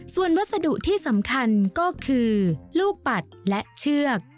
ส่วนวัสดุที่สำคัญก็คือลูกปัดและเชือก